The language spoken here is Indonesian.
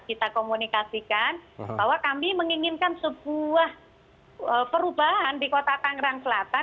kita komunikasikan bahwa kami menginginkan sebuah perubahan di kota tangerang selatan